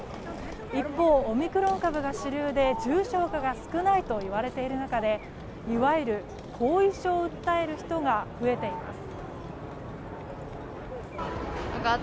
一方、オミクロン株が主流で重症化が少ないといわれている中でいわゆる後遺症を訴える人が増えています。